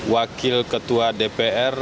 wakil ketua dpr